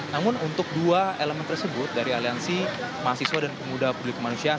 namun untuk dua elemen tersebut dari aliansi mahasiswa dan pemuda peduli kemanusiaan